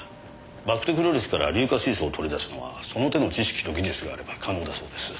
バクテクロリスから硫化水素を取り出すのはその手の知識と技術があれば可能だそうです。